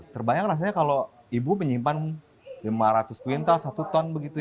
terbayang rasanya kalau ibu menyimpan lima ratus kuintal satu ton begitu ya